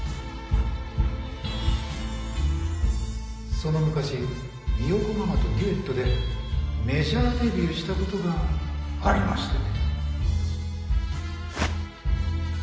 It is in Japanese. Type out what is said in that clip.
「その昔三代子ママとデュエットでメジャーデビューした事がありましてね」